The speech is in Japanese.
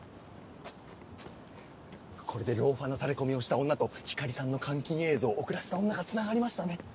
これでローファーのタレコミをした女と光莉さんの監禁映像を送らせた女がつながりましたね。